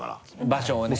場所をね。